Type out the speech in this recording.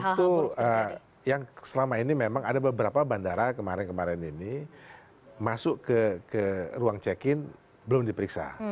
itu yang selama ini memang ada beberapa bandara kemarin kemarin ini masuk ke ruang check in belum diperiksa